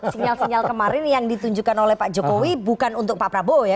sinyal sinyal kemarin yang ditunjukkan oleh pak jokowi bukan untuk pak prabowo ya